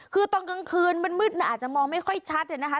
คือตอนกลางคืนมันมืดอาจจะมองไม่ค่อยชัดนะคะ